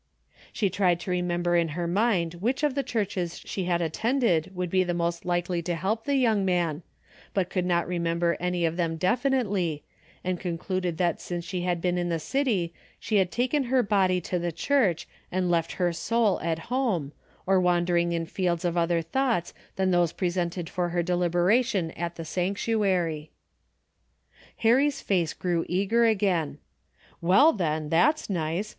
She tried to remember in her mind which of the churches she had attended would be the most likely to help the young man, but could not remember any of them definitely, and con cluded that since she had been in the city she had taken her body to the church and left her soul at home, or wandering in fields of other thoughts than those presented for her deliber ation at the sanctuary. Harry's face grew eager again. "Well, then, that's nice.